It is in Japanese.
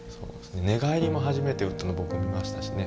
寝返りも初めて打ったの僕見ましたしね。